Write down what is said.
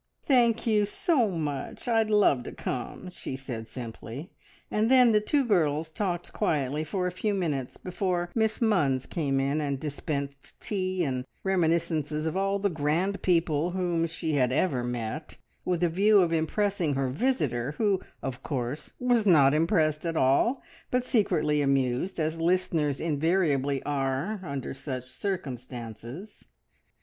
"Thank you so much! I'd love to come," she said simply; and then the two girls talked quietly together for a few minutes before Miss Munns came in and dispensed tea and reminiscences of all the grand people whom she had ever met, with a view of impressing her visitor, who, of course, was not impressed at all, but secretly amused, as listeners invariably are under such circumstances.